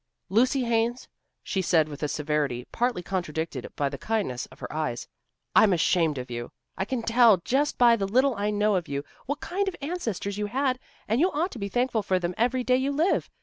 "Lucy Haines," she said with a severity partly contradicted by the kindness of her eyes, "I'm ashamed of you. I can tell just by the little I know of you, what kind of ancestors you had, and you ought to be thankful for them every day you live.